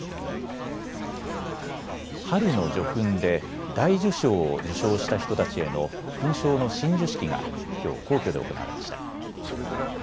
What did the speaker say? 春の叙勲で大綬章を受章した人たちへの勲章の親授式がきょう皇居で行われました。